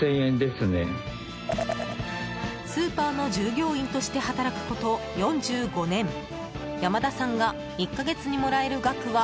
スーパーの従業員として働くこと４５年山田さんが１か月にもらえる額は